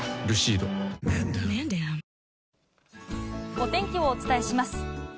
お天気をお伝えします。